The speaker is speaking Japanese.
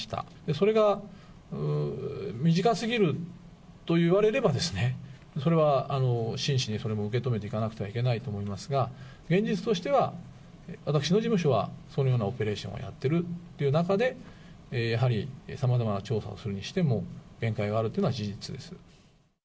それが短すぎると言われれば、それは真摯にそれも受け止めていかなければいけないと思いますが、現実としては、私の事務所はそのようなオペレーションはやってるっていう中で、やはり、さまざまな調査をするにしても、限界があるっていうのは事実です。